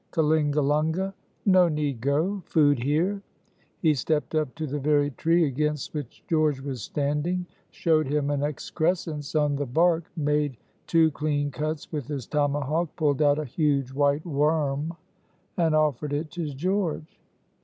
Kalingalunga. "No need go, food here." He stepped up to the very tree against which George was standing, showed him an excrescence on the bark, made two clean cuts with his tomahawk, pulled out a huge white worm and offered it George.